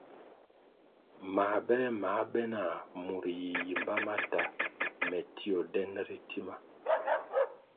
Mā bele ma be nah, murʼ yi yimba ma ta, me tio den ritima.